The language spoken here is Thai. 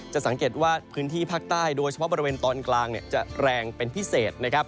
สังเกตว่าพื้นที่ภาคใต้โดยเฉพาะบริเวณตอนกลางจะแรงเป็นพิเศษนะครับ